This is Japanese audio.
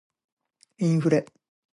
インフレ